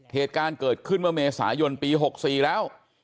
เหตุการณ์เกิดขึ้นเมื่อเมษายนปี๖๔แล้ว